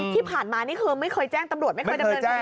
ที่ผ่านมานี่คือไม่เคยแจ้งตำรวจไม่เคยดำเนินคดี